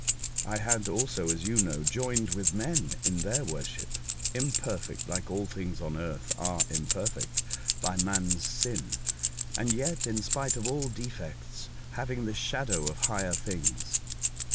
I had also, as you know, joined with men in their worship — imperfect, like all things on earth are imperfect by man's sin — and yet, in spite of all defects, having the shadow of higher things.